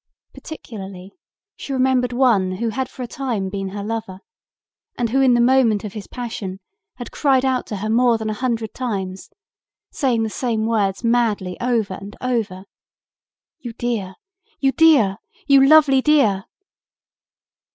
Particularly she remembered one who had for a time been her lover and who in the moment of his passion had cried out to her more than a hundred times, saying the same words madly over and over: "You dear! You dear! You lovely dear!"